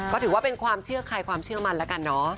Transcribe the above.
ก็ถือว่าเป็นความเชื่อใครความเชื่อมันแล้วกันเนอะ